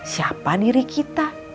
siapa diri kita